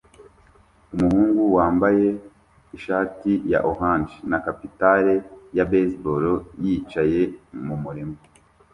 Umuhungu wambaye ishati ya orange na capitale ya baseball yicaye mumurima